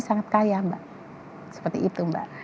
sangat kaya mbak seperti itu mbak